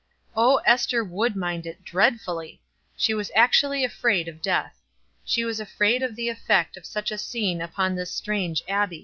Oh, Ester would mind it dreadfully. She was actually afraid of death. She was afraid of the effect of such a scene upon this strange Abbie.